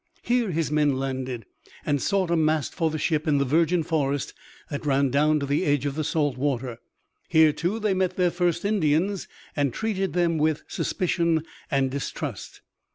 Here his men landed and sought a mast for the ship in the virgin forest that ran down to the edge of the salt water. Here too they met their first Indians, and treated them with suspicion and distrust.